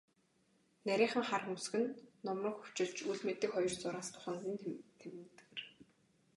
Нарийхан хар хөмсөг нь нумран хөвчилж, үл мэдэг хоёр зураас духанд нь тэмдгэрэв.